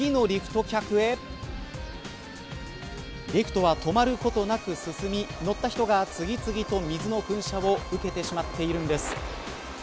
リフトは止まることなく進み乗った人が次々と、水の噴射を受けてしまっているんです。